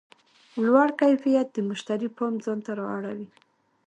لوړ کیفیت د مشتری پام ځان ته رااړوي.